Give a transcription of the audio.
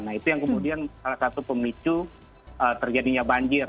nah itu yang kemudian salah satu pemicu terjadinya banjir